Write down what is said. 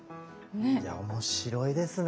いや面白いですね。